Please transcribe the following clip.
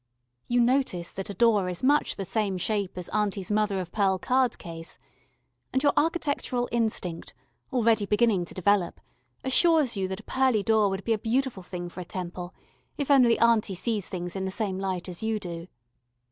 You notice that a door is much the same shape as auntie's mother of pearl card case, and your architectural instinct, already beginning to develop, assures you that a pearly door would be a beautiful thing for a temple, if only auntie sees things in the same light as you do.